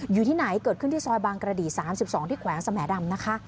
อยู่ที่ไหนเกิดขึ้นที่ซอยบางกระดี๓๒ที่แขวงสแหมดำนะคะ